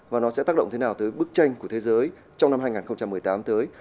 và nó sẽ tác động thế nào tới bức tranh của thế giới trong năm hai nghìn một mươi tám tới